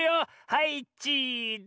はいチーズって。